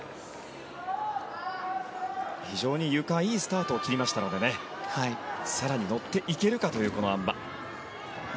非常にゆかはいいスタートを切りましたので更に乗っていけるかというこのあん馬。